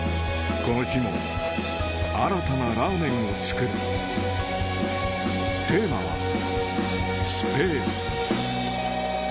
この日も新たなラーメンを作るテーマは「ＳＰＡＣＥ」